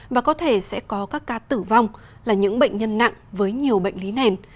và có thể sẽ có các ca tử vong là những bệnh nhân nặng với nhiều bệnh lý nền